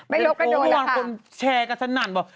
ไม่ลบกันโดนล่ะค่ะเป็นโป๊ว่าคนแชร์กันสนั่น